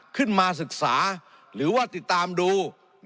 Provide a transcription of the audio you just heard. ขึ้นมาศึกษาหรือว่าติดตามดู